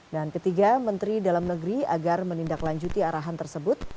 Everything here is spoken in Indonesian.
dan ketiga menteri dalam negeri agar menindaklanjuti arahan tersebut